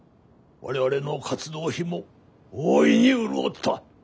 我々の活動費も大いに潤った！